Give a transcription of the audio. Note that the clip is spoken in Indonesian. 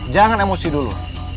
jangan emosi dulu